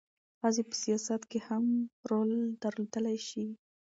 ښځې په سیاست کې هم رول درلودلی شي.